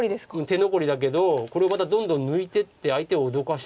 手残りだけどこれをまたどんどん抜いてって相手を脅かし。